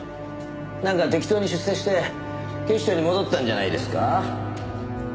なんか適当に出世して警視庁に戻ったんじゃないですか？